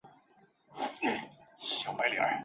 两名西班牙记者陪同她拘留了数小时。